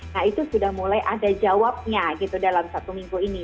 nah itu sudah mulai ada jawabnya gitu dalam satu minggu ini